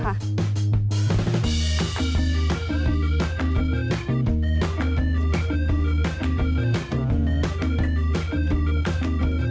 มันยังไม่อยู่เท่าไหร่